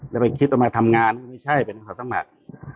แล้วไปคิดมาทำงานไม่ใช่เป็นใครที่สามารถ